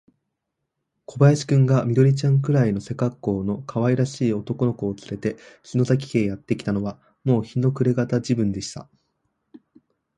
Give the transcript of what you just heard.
小林君が、緑ちゃんくらいの背かっこうのかわいらしい男の子をつれて、篠崎家へやってきたのは、もう日の暮れがた時分でした。